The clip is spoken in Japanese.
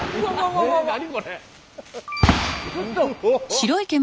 ちょっと。